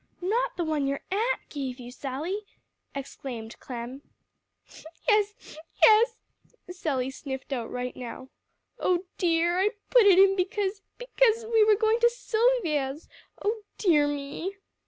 "Not the one your aunt gave you, Sally!" exclaimed Clem. "Yes yes." Sally sniffed outright now. "Oh dear! I put it in because because we were going to Silvia's oh dear me!"